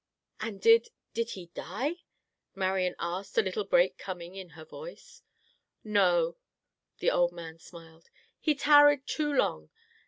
"And did—did he die?" Marian asked, a little break coming in her voice. "No," the old man smiled, "he tarried too long.